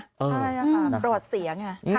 ใช่น่ะค่ะตรวจเสีย